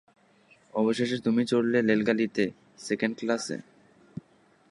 অবশেষে তুমি চড়লে রেলগাড়িতে সেকেণ্ড ক্লাসে।